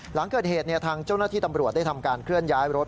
หลังเกิดเหตุทางเจ้าหน้าที่ตำรวจได้ทำการเคลื่อนย้ายรถ